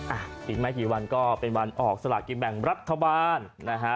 อ่ะอีกไม่กี่วันก็เป็นวันออกสลากินแบ่งรัฐบาลนะฮะ